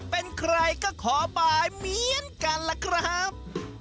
ในห้องน้ำแบบนี้เป็นใครก็ขอไปเมียนกันแหละครับ